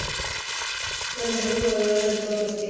La mejor jugadora de todos los tiempos es Debbie Lee.